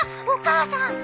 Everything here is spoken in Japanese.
お母さん